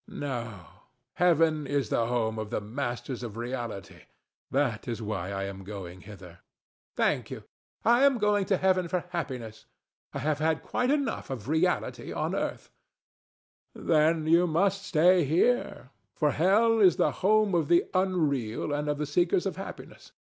No: heaven is the home of the masters of reality: that is why I am going thither. ANA. Thank you: I am going to heaven for happiness. I have had quite enough of reality on earth. DON JUAN. Then you must stay here; for hell is the home of the unreal and of the seekers for happiness.